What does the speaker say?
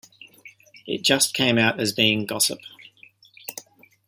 It just came out as being gossip.